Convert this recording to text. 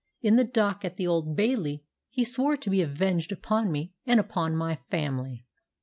In the dock at the Old Bailey he swore to be avenged upon me and upon my family."